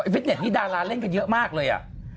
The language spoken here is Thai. ฟิตเน็ตนี้ดาราเล่นกันเยอะมากเลยอ่ะ